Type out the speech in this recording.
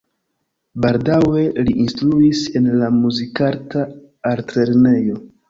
Baldaŭe li instruis en la Muzikarta Altlernejo.